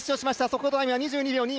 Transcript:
速報タイムが２２秒２８。